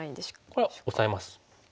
これはオサえます。